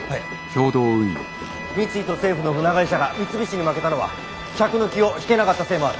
三井と政府の船会社が三菱に負けたのは客の気を引けなかったせいもある。